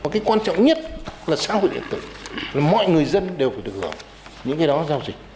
cái quan trọng nhất là xã hội điện tử là mọi người dân đều phải được hưởng những cái đó giao dịch